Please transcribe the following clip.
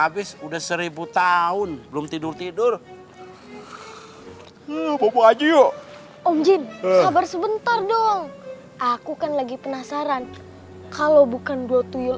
panggil vacuuming diancorilkan ini juga kelewatannya